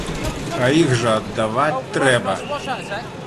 А іх жа аддаваць трэба!